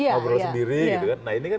ngobrol sendiri gitu kan nah ini kan